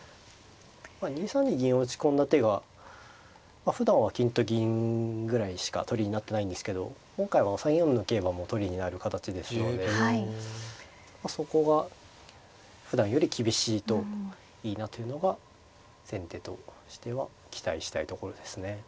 ２三に銀を打ち込んだ手がふだんは金と銀ぐらいしか取りになってないんですけど今回は３四の桂馬も取りになる形ですのでそこがふだんより厳しいといいなというのが先手としては期待したいところですね。